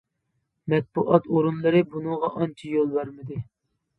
مەتبۇئات ئورۇنلىرى بۇنىڭغا ئانچە يول بەرمىدى.